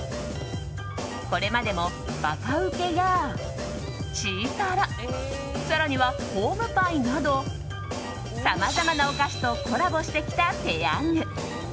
これまでもばかうけやチータラ更には、ホームパイなどさまざまなお菓子とコラボしてきたペヤング。